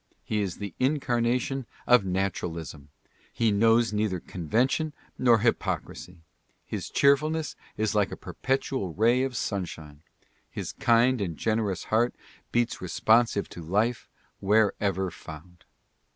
He is the incarnation of naturalism. He knows neither conven tion nor hypocrisy. His cheerfulness is like a perpetual ray of sunshine. His kind and generous heart beats responsive to life wherever found.